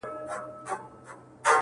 زما په خيال هري انجلۍ ته گوره~